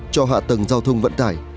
cho hạ tầng giao thông vận tải